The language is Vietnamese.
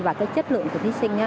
và chất lượng của thí sinh